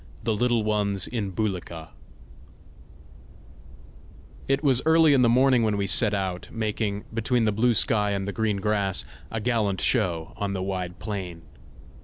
THE LITTLE ONES IN BULIKA It was early in the morning when we set out, making, between the blue sky and the green grass, a gallant show on the wide plain.